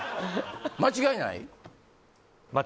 間違いない？